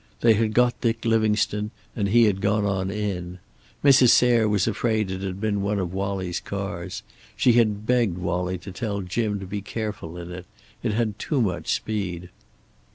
They had got Dick Livingstone and he had gone on in. Mrs. Sayre was afraid it had been one of Wallie's cars. She had begged Wallie to tell Jim to be careful in it. It had too much speed.